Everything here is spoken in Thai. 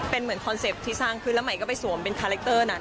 เป็นเหมือนคอนเซ็ปต์ที่สร้างขึ้นแล้วใหม่ก็ไปสวมเป็นคาแรคเตอร์นั้น